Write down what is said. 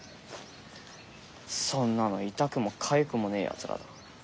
そんなの痛くもかゆくもねえやつらだ。